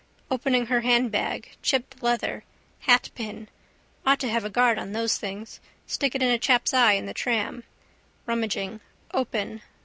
Opening her handbag, chipped leather. Hatpin: ought to have a guard on those things. Stick it in a chap's eye in the tram. Rummaging. Open.